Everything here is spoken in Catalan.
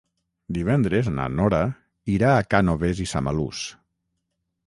Divendres na Nora irà a Cànoves i Samalús.